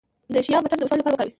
د شیا بټر د وچوالي لپاره وکاروئ